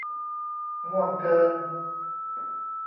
ง่วงเกิน